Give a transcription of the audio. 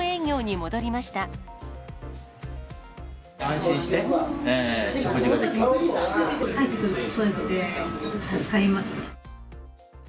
帰ってくるのが遅いので助かります。